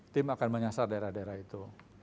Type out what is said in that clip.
tim akan menyasar daerah daerah itu